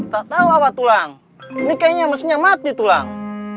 tak tau awak tulang ini kayaknya mesin yang mati tulang